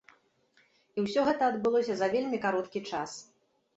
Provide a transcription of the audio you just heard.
І ўсё гэта адбылося за вельмі кароткі час.